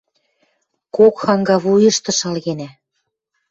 Кок ханга вуйышты шалгенӓ.